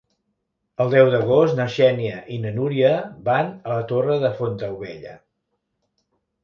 El deu d'agost na Xènia i na Núria van a la Torre de Fontaubella.